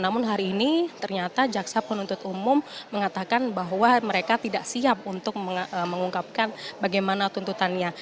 namun hari ini ternyata jaksa penuntut umum mengatakan bahwa mereka tidak siap untuk mengungkapkan bagaimana tuntutannya